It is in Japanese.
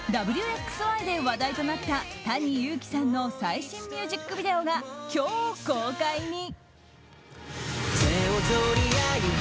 「Ｗ／Ｘ／Ｙ」で話題となったＴａｎｉＹｕｕｋｉさんの最新ミュージックビデオが今日公開に。